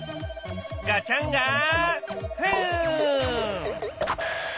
ガチャンガフン！